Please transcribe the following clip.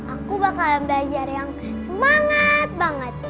aku bakal belajar yang semangat banget